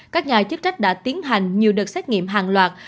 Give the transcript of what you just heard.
các nhà chức trách đã tiến hành nhiều đợt xét nghiệm hàng loạt